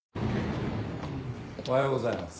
おはようございます。